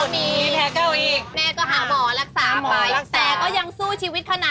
นี่แผลใหม่นะ